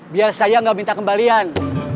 biar saya nggak minta kembalian